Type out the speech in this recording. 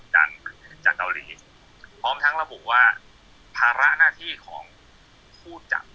แล้วช่างคนนั้นเนี่ยหมอค่าเครื่องมือ